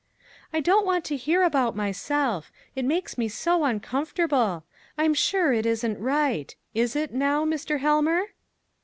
"I don't want to hear about myself. It makes me so uncomfortable! I am sure it isn't right: is it, now, Mr. Helmer?"